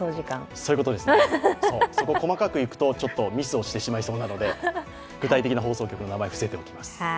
そこ、細かくいくとちょっとミスをしてしまいそうなので、具体的な放送局の名前は伏せています。